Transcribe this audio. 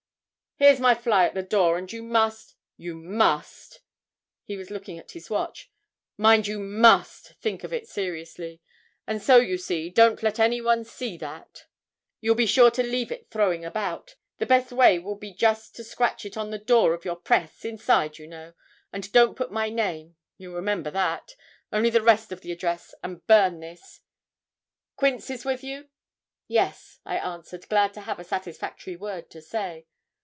'Here's my fly at the door, and you must you must' (he was looking at his watch) 'mind you must think of it seriously; and so, you see, don't let anyone see that. You'll be sure to leave it throwing about. The best way will be just to scratch it on the door of your press, inside, you know; and don't put my name you'll remember that only the rest of the address; and burn this. Quince is with you?' 'Yes,' I answered, glad to have a satisfactory word to say.